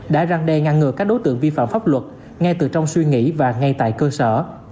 đã răng đe ngăn ngừa các đối tượng vi phạm pháp luật ngay từ trong suy nghĩ và ngay tại cơ sở